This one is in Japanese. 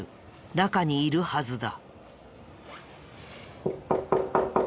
中にいるはずだ。